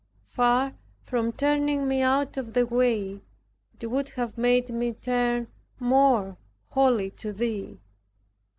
Far from turning me out of the way, it would have made me turn more wholly to Thee.